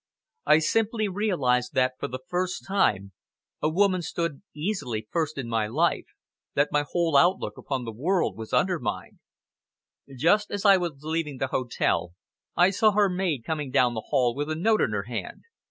I simply realized that, for the first time, a woman stood easily first in my life, that my whole outlook upon the world was undermined. Just as I was leaving the hotel, I saw her maid coming down the hall with a note in her hand.